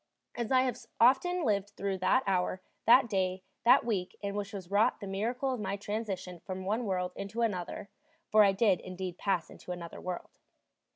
And so I have often lived through that hour, that day, that week, in which was wrought the miracle of my transition from one world into another; for I did indeed pass into another world.